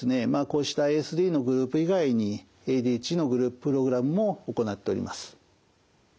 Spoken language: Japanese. こうしたＡＳＤのグループ以外にＡＤＨＤのグループプログラムも行っております。